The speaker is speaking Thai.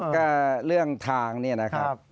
ก็เรื่องทางเนี่ยนะครับ